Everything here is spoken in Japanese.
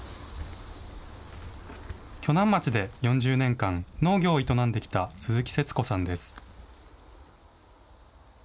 鋸南町で４０年間農業を営んできた、鈴木せつ子さんです。